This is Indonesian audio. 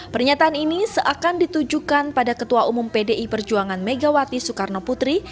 pernyataan ini seakan ditujukan pada ketua umum pdi perjuangan megawati soekarno putri